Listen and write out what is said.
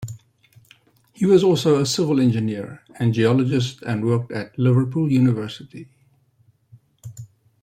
He was also a civil engineer, and geologist and worked at Liverpool University.